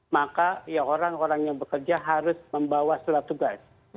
maka orang orang yang bekerja harus membawa selatu gas